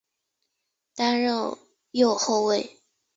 担任右后卫。